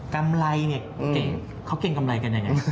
กำไรเขาเก่งกำไรกันอย่างไร